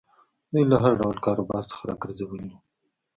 دوی له هر ډول کاروبار څخه را ګرځولي وو.